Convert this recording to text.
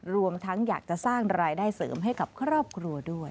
รวมทั้งอยากจะสร้างรายได้เสริมให้กับครอบครัวด้วย